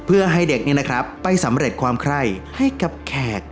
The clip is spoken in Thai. เพื่อให้เด็กเนี้ยนะครับไปสำเร็จความใคร่ให้กับแขก